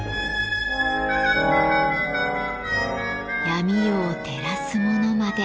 闇夜を照らすものまで。